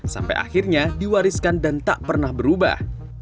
sampai akhirnya diwariskan dan tak pernah berubah